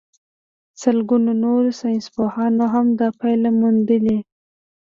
لسګونو نورو ساينسپوهانو هم دا پايله موندلې.